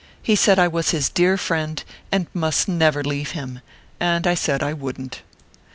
He said I was his dear friend, and must never leave him ; and I said I wouldn t.